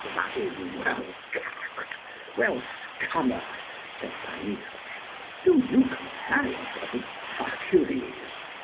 That is well cacked, well scummered, said Panurge; do you compare yourself with Hercules?